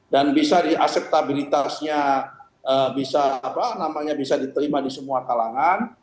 dan bisa di acceptabilitasnya bisa diterima di semua kalangan